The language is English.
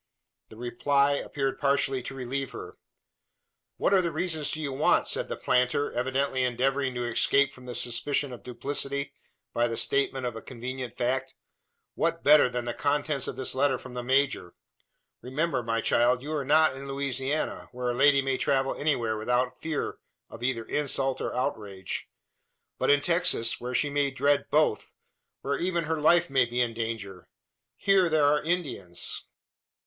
The reply appeared partially to relieve her. "What other reasons do you want," said the planter, evidently endeavouring to escape from the suspicion of duplicity by the Statement of a convenient fact "what better, than the contents of this letter from the major? Remember, my child, you are not in Louisiana, where a lady may travel anywhere without fear of either insult or outrage; but in Texas, where she may dread both where even her life may be in danger. Here there are Indians."